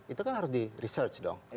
itu kan harus di research dong